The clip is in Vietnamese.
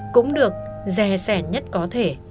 cũng được rè rẻ nhất có thể